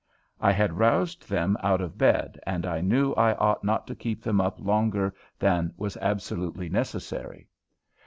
I had roused them out of bed, and I knew I ought not to keep them up longer than was absolutely necessary.